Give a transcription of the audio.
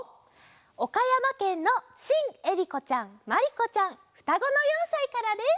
おかやまけんのしんえりこちゃんまりこちゃんふたごの４さいからです。